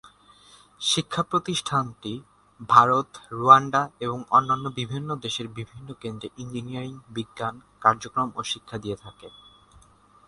শিক্ষা প্রতিষ্ঠানটি ভারত, রুয়ান্ডা এবং অন্যান্য বিভিন্ন দেশের বিভিন্ন কেন্দ্রে ইঞ্জিনিয়ারিং, বিজ্ঞান, কার্যক্রম ও শিক্ষা দিয়ে থাকে।